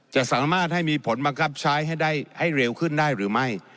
จะสามารถให้มีผลบังคับใช้ให้ได้ให้เร็วขึ้นได้หรือไม่